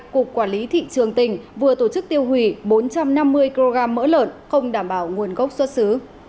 cục quản lý thị trường tỉnh vừa tổ chức tiêu hủy bốn trăm năm mươi kg mỡ lợn không đảm bảo nguồn gốc xuất xứ